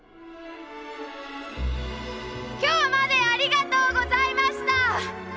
今日までありがとうございました！